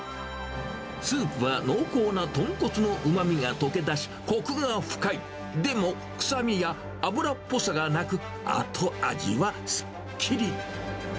スープは濃厚な豚骨のうまみが溶け出し、こくが深い、でも臭みや脂っぽさがなく、後味はすっきり。